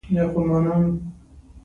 سم اوښ یې له ستنې را و ایستلو.